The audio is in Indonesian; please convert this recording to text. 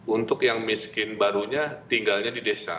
untuk yang miskin barunya tinggalnya di desa